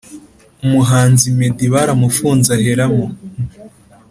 Umuhanzi meddy baramufunze aheramo